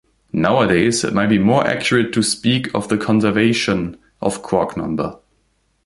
Nowadays it might be more accurate to speak of the conservation of quark number.